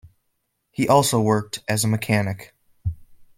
He also worked as a mechanic.